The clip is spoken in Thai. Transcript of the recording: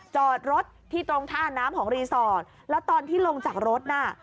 จอดรถที่ตรงท่าน้ำของรีสอร์ทแล้วตอนที่ลงจากรถน่ะ